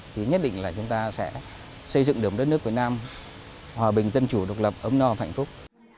thì nhất định là chúng ta sẽ xây dựng được một đất nước việt nam hòa bình tân chủ độc lập ấm no và hạnh phúc